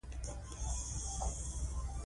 لیکوال په خپلو خبرو کې صادق دی.